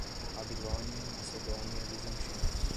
Babilônia, Macedônia, bizantinos